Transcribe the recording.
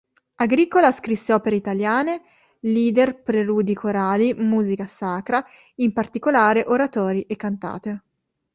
Agricola scrisse opere italiane, Lieder, preludi corali, musica sacra, in particolare oratori e cantate.